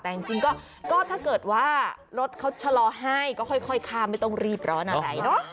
แต่จริงก็ถ้าเกิดว่ารถเขาชะลอให้ก็ค่อยข้ามไม่ต้องรีบร้อนอะไรเนอะ